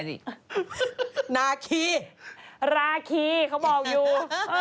เขาเรียกว่าอยู่เป็น